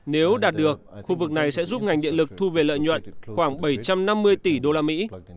nếu đạt được khu vực này sẽ giúp ngành điện lực thu về lợi nhuận khoảng bảy trăm năm mươi tỷ usd